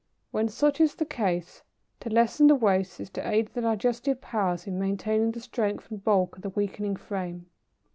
When such is the case, to lessen the waste is to aid the digestive powers in maintaining the strength and bulk of the weakening frame.